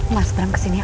mas berang ke sini ya